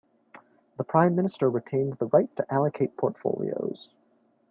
The Prime Minister retained the right to allocate portfolios.